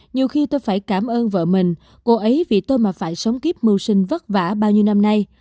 nhiều khi tôi phải cảm ơn vợ mình cô ấy vì tôi mà phải sống kíp mưu sinh vất vả bao nhiêu năm nay